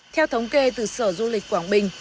theo thống kê từ sở du lịch quảng bình